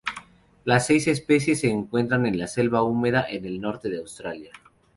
Las seis especies se encuentran en la selva húmeda en el norte de Australia.